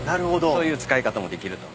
そういう使い方もできると。